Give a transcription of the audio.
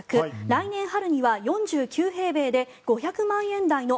来年春には４９平米で５００万円台の